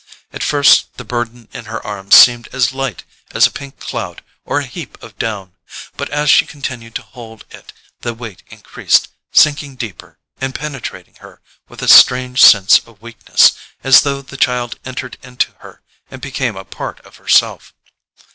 At first the burden in her arms seemed as light as a pink cloud or a heap of down, but as she continued to hold it the weight increased, sinking deeper, and penetrating her with a strange sense of weakness, as though the child entered into her and became a part of herself.